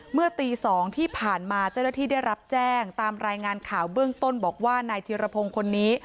เมื่อตี๒ที่ผ่านมาเจ้าหน้าที่ได้รับแจ้งตามรายงานข่าวเบื้องต้นบอกว่านายธิรพงศ์คนนี้